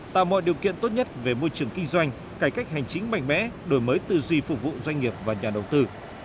tạo mọi điều kiện tốt nhất về môi trường kinh doanh cải cách hành chính mạnh mẽ đổi mới tư duy phục vụ doanh nghiệp và nhà đầu tư